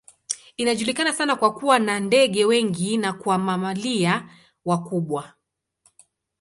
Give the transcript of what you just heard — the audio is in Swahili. Inajulikana sana kwa kuwa na ndege wengi na kwa mamalia wakubwa.